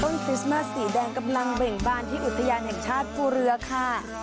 คริสต์มาสสีแดงกำลังเบ่งบานที่อุทยานแห่งชาติภูเรือค่ะ